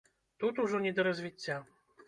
Тут ужо не да развіцця.